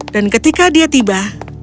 dan ketika dia tiba